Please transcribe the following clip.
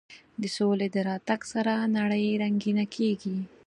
د سولې د راتګ سره نړۍ رنګینه کېږي.